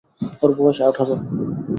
ওর বয়স আঠারো।